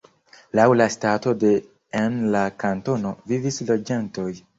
Laŭ la stato de en la kantono vivis loĝantoj.